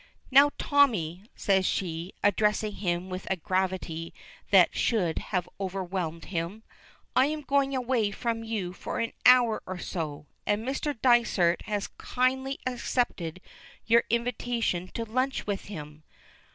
"Now, Tommy," says she, addressing him with a gravity that should have overwhelmed him, "I am going away from you for an hour or so, and Mr. Dysart has kindly accepted your invitation to lunch with him.